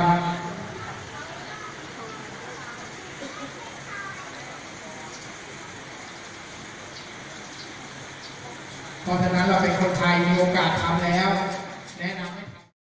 เพราะฉะนั้นเราเป็นคนไทยมีโอกาสทำแล้วแนะนำให้ทำ